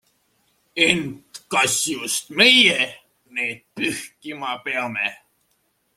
Ent kas just meie-need pühkima peame.